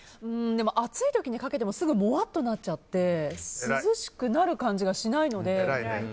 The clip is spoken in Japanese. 暑い時にかけてもすぐもわっとなっちゃって涼しくなる感じがしないので。